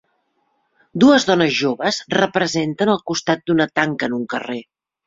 Dues dones joves representen al costat d'una tanca en un carrer